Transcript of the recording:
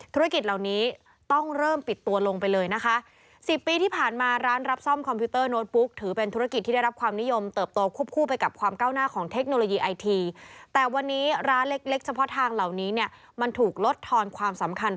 ธุรกิจเหล่านี้ต้องเริ่มปิดตัวลงไปเลยนะคะ